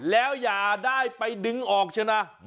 แล้วอย่าได้ไปดึงออกใช่ไหม